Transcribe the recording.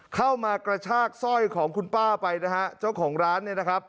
เข้ามากระชากสร้อยของคุณป้าไปนะฮะเจ้าของร้านเนี่ยนะครับ